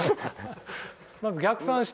まず逆算して。